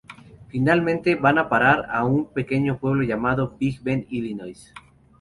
Finalmente van a parar a un pequeño pueblo llamado "Big Bean" en Illinois.